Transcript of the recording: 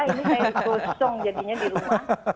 ini saya kosong jadinya di rumah